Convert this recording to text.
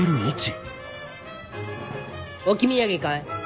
置き土産かい？